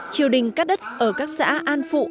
triều đình cắt đất ở các xã an phụ